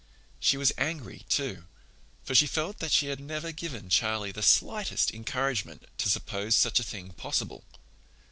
She was angry, too, for she felt that she had never given Charlie the slightest encouragement to suppose such a thing possible.